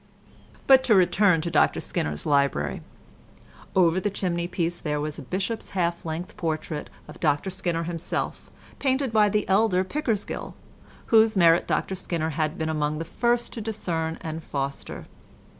But to return to Dr Skinner's library; over the chimney piece there was a Bishop's half length portrait of Dr Skinner himself, painted by the elder Pickersgill, whose merit Dr Skinner had been among the first to discern and foster.